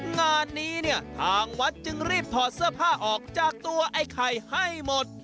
งานนี้เนี่ยทางวัดจึงรีบถอดเสื้อผ้าออกจากตัวไอ้ไข่ให้หมด